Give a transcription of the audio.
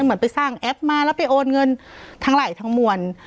เหมือนไปสร้างแอปมาแล้วไปโอนเงินทั้งไหล่ทั้งมวล